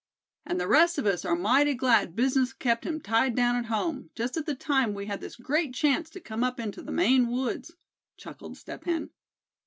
"And the rest of us are mighty glad business kept him tied down at home, just at the time we had this great chance to come up into the Maine woods," chuckled Step Hen.